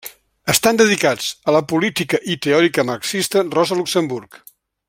Estan dedicats a la política i teòrica marxista Rosa Luxemburg.